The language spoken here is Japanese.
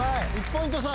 １ポイント差。